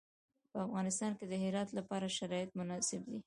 په افغانستان کې د هرات لپاره شرایط مناسب دي.